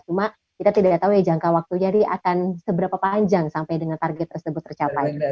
cuma kita tidak tahu ya jangka waktunya ini akan seberapa panjang sampai dengan target tersebut tercapai